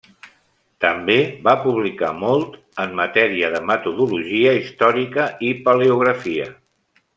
També va publicar molt en matèria de metodologia històrica i paleografia.